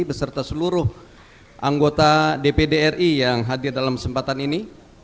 beserta seluruh anggota dpd ri yang hadir dalam kesempatan ini